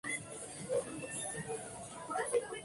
Se alude a la forma de la inflorescencia.